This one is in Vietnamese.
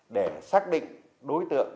để xác định đối tượng